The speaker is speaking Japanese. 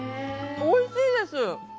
おいしいです！